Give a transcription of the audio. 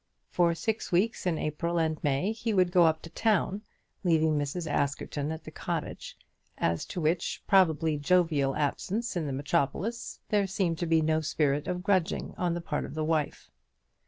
For six weeks in April and May he would go up to town, leaving Mrs. Askerton at the cottage, as to which, probably jovial, absence in the metropolis there seemed to be no spirit of grudging on the part of the wife.